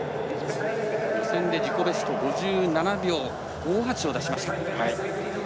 予選で、自己ベスト５７秒５８を出しました。